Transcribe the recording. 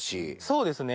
そうですね。